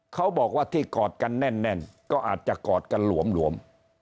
เขาบอกว่าที่กอดกันแน่นก็อาจจะกอดกันหลวม